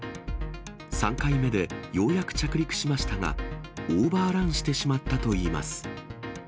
３回目でようやく着陸しましたが、オーバーランしてしまったといいます。